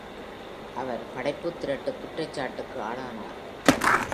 அவர் படைப்புத்திருட்டு குற்றச்சாட்டுக்கு ஆளானார்.